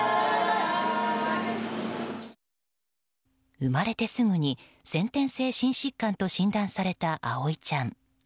生まれてすぐに先天性心疾患と診断された葵ちゃん。